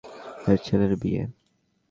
ওর ছেলের বিয়ে।